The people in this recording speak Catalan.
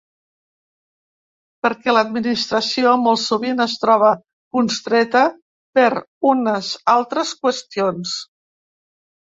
Perquè l’administració molt sovint es troba constreta per unes altres qüestions.